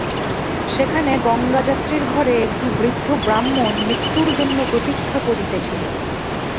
সেখানে গঙ্গাযাত্রীর ঘরে একটি বৃদ্ধ ব্রাহ্মণ মৃত্যুর জন্য প্রতীক্ষা করিতেছিল।